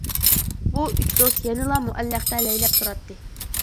بۇ ئۈچ دوست يەنىلا مۇئەللەقتە لەيلەپ تۇراتتى.